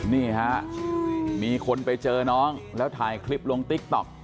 นี่ฮะมีคนไปเจอน้องแล้วถ่ายคลิปลงติ๊กต๊อก